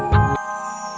dan enak sekali